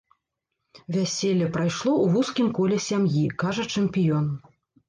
Вяселле прайшло ў вузкім коле сям'і, кажа чэмпіён.